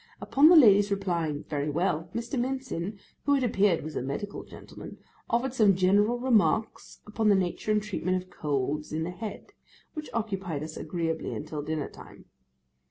Upon the lady's replying very well, Mr. Mincin (who it appeared was a medical gentleman) offered some general remarks upon the nature and treatment of colds in the head, which occupied us agreeably until dinner time.